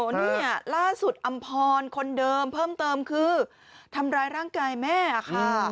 นี่ล่าสุดอำพรคนเดิมเพิ่มเติมคือทำร้ายร่างกายแม่ค่ะ